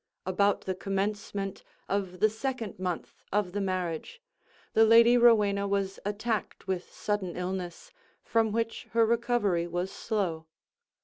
About the commencement of the second month of the marriage, the Lady Rowena was attacked with sudden illness, from which her recovery was slow.